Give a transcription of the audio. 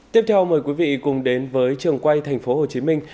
tiếp theo mời quý vị cùng đến với trường quay thành phố hồ chí minh